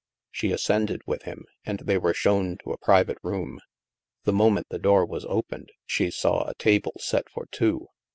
'* She ascended with him, and they were shown to a private room. The moment the door was opened, she saw a table set for two.